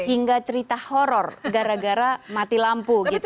hingga cerita horror gara gara mati lampu gitu